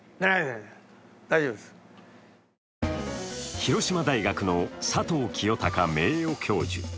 広島大学の佐藤清隆名誉教授。